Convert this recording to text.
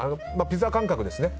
ピザ感覚ですね。